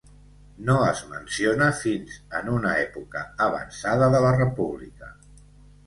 No es menciona fins en una època avançada de la república.